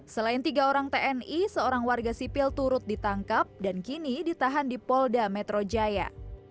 selain tiga orang tni seorang warga sipil turut ditangkap dan kini ditahan di polda metro jaya